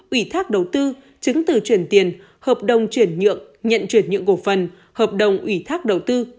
ủy thác đầu tư chứng từ chuyển tiền hợp đồng chuyển nhượng nhận chuyển nhượng cổ phần hợp đồng ủy thác đầu tư